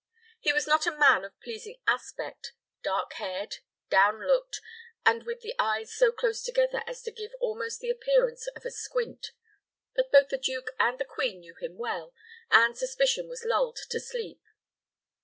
He was not a man of pleasing aspect: black haired, down looked, and with the eyes so close together as to give almost the appearance of a squint; but both the duke and the queen knew him well, and suspicion was lulled to sleep.